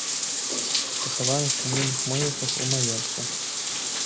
Пахаваны фамільных могілках ў маёнтку.